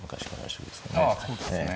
そうですね。